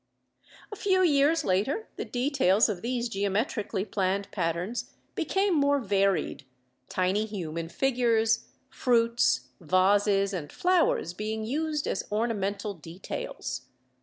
A few years later the details of these geometrically planned patterns became more varied, tiny human figures, fruits, vases and flowers, being used as ornamental details.